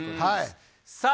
さあ、